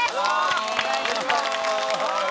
お願いします！